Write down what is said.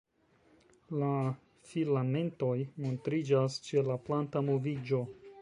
La filamentoj montriĝas ĉe la planta moviĝo.